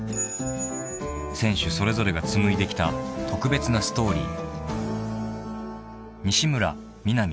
［選手それぞれが紡いできた特別なストーリー］